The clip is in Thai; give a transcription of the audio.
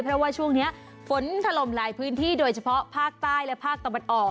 เพราะว่าช่วงนี้ฝนถล่มหลายพื้นที่โดยเฉพาะภาคใต้และภาคตะวันออก